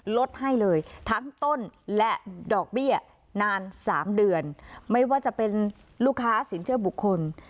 ลดให้เลยทั้งต้นและดอกเบี้ยนานสามเดือนไม่ว่าจะเป็นลูกค้าสินเชื่อบุคคล